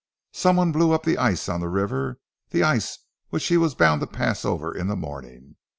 "Some one blew up the ice on the river, the ice which he was bound to pass over in the morning.